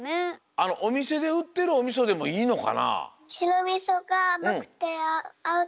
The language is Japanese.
あのおみせでうってるおみそでもいいのかな？